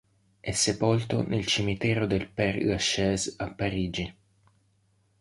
È sepolto nel Cimitero del Père-Lachaise a Parigi.